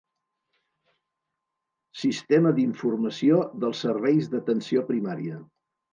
Sistema d'Informació dels Serveis d'Atenció Primària.